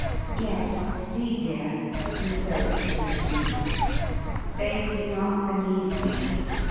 "Yes see, dear," he said, patiently, "they do not believe me.